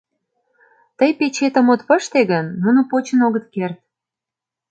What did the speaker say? Тый печетым от пыште гын, нуно почын огыт керт...